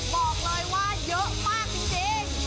บอกเลยว่าเยอะมากจริง